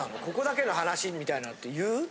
ここだけの話みたいなのって言う？